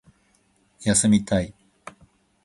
休みたい